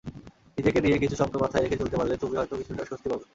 নিজেকে নিয়ে কিছু স্বপ্ন মাথায় রেখে চলতে পারলে তুমি হয়তো কিছুটা স্বস্তি পাবে।